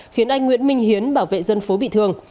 khiến anh nguyễn minh hiến bảo vệ dân phố bị thương